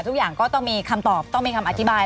ทุกอย่างก็ต้องมีคำตอบต้องมีคำอธิบาย